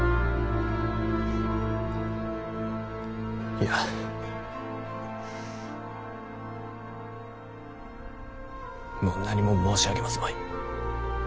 いやもう何も申し上げますまい。